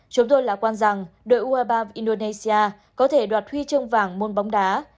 chúng tôi lạc quan rằng đội ue ba indonesia có thể đoạt huy chương vàng môn bóng đá